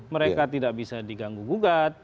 mereka tidak bisa diganggu gugat